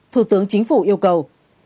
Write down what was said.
thủ tướng chính phủ yêu cầu